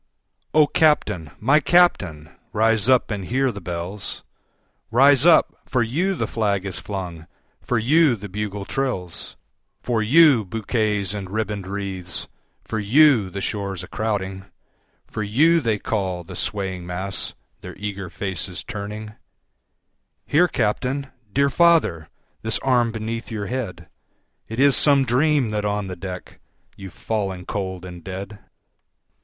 O Captain! my Captain! rise up and hear the bells; Rise up—for you the flag is flung—for you the bugle trills, 10 For you bouquets and ribbon'd wreaths—for you the shores crowding, For you they call, the swaying mass, their eager faces turning; Here, Captain! dear father! This arm beneath your head! It is some dream that on the deck 15 You've fallen cold and dead.